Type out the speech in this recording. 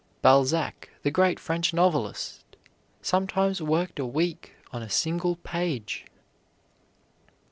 Balzac, the great French novelist, sometimes worked a week on a single page.